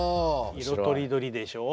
いろとりどりでしょ。